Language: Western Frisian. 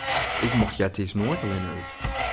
Ik mocht eartiids noait allinne út.